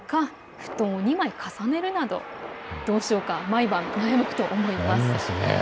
布団を２枚重ねるかどうしようと毎晩悩むと思います。